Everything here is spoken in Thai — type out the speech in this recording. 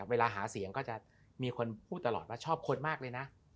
เวลาหาเสียงก็จะมีคนพูดตลอดว่าชอบคนมากเลยนะ